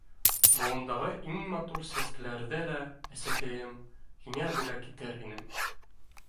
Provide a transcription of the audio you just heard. Болондағы иң матур сәскәләрҙе лә, әсәкәйем, һиңә бүләк итер инем.